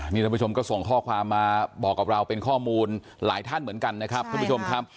นี่ท่านผู้ชมก็ส่งข้อความมาบอกกับเราเป็นข้อมูลหลายท่านเหมือนกันนะครับท่านผู้ชมครับ